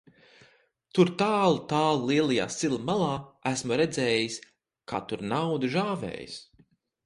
Tur tālu, tālu lielajā sila malā, esmu redzējis, kā tur nauda žāvējas.